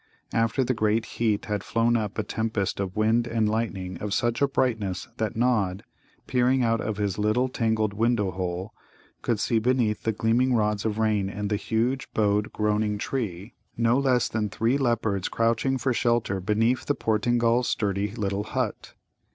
After the great heat had flown up a tempest of wind and lightning of such a brightness that Nod, peering out of his little tangled window hole, could see beneath the gleaming rods of rain and the huge, bowed, groaning trees no less than three leopards crouching for shelter beneath the Portingal's sturdy little hut.